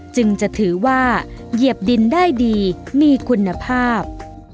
จึงจะถือว่าเหยียบดินได้ดีมีคุณภาพ